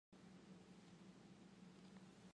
Dia menyegarkan hati tuan-tuannya.